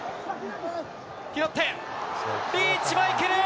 拾って、リーチマイケル。